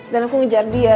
dan aku ngejar dia